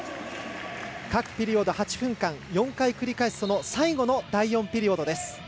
各ピリオド８分間、４回繰り返す最後の第４ピリオドです。